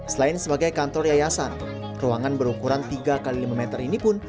selain sebagai kantor yayasan ruangan berukuran tiga x lima meter ini pun